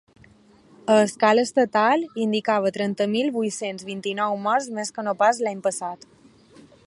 A escala estatal, indicava trenta mil vuit-cents vint-i-nou morts més que no pas l’any passat.